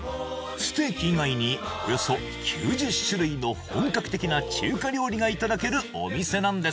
ステーキ以外におよそ９０種類の本格的な中華料理がいただけるお店なんです